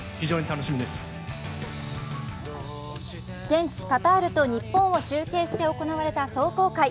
現地カタールと日本を中継して行われた壮行会。